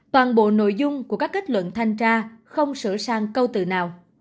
toàn bộ nội dung của các kết luận thanh tra không sửa sang câu tự nào